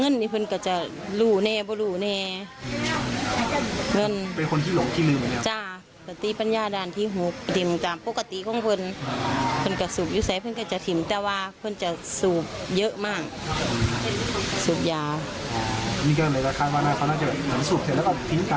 อ๋อนี่ก็เหมือนกับคาดว่านายความอาจจะถังสูบเถอะแล้วก็ทิ้งก้าว